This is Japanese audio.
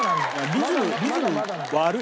リズムリズム悪い。